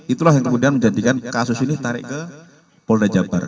itulah yang kemudian menjadikan kasus ini tarik ke polda jabar